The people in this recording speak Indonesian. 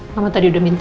mama tadi udah minta